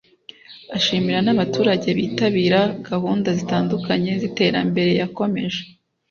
ashimira n abaturage bitabira gahunda zitandukanye z iterambere yakomeje